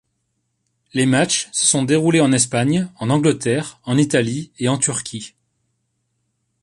Les matchs se sont déroulés en Espagne, en Angleterre, en Italie et en Turquie.